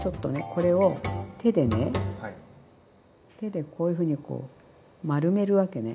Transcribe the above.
これを手でね手でこういうふうにこう丸めるわけね。